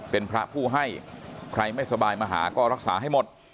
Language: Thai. เป็นพระผู้ให้ใครไม่สบายมาหาก็รักษาให้หมด